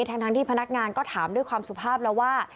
ทั้งที่พนักงานก็ถามด้วยความสุภาพแล้วว่า